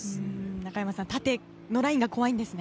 中山さん縦のラインが怖いんですね。